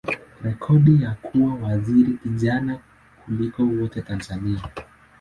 rekodi ya kuwa waziri kijana kuliko wote Tanzania.